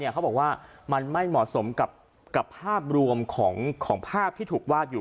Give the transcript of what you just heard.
เขาบอกว่ามันไม่เหมาะสมกับภาพรวมของภาพที่ถูกวาดอยู่